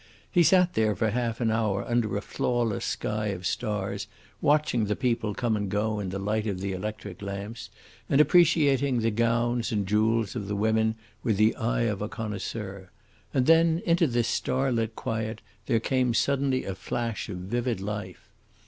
He sat there for half an hour under a flawless sky of stars watching the people come and go in the light of the electric lamps, and appreciating the gowns and jewels of the women with the eye of a connoisseur; and then into this starlit quiet there came suddenly a flash of vivid life.